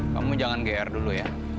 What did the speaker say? kamu jangan gr dulu ya